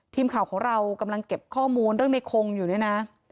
ทีมข่าวของเรากำลังเก็บข้อมูลเรื่องในคงอยู่เนี่ยนะ